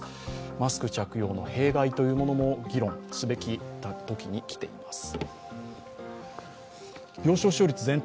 マスク着用の弊害というものも議論すべき時に来ています。